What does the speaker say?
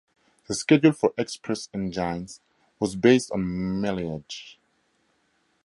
The schedule for express engines was based on mileage.